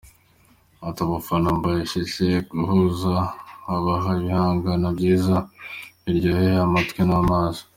Ati “Abafana mbahishiye guhozaho nkabaha ibihangano byiza biryoheye amatwi n’amaso.